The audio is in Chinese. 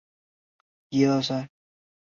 双牌县是一个重要林区。